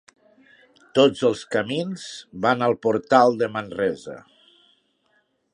Tots els camins van al portal de Manresa.